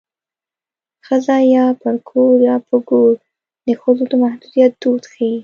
ښځه یا پر کور یا په ګور د ښځو د محدودیت دود ښيي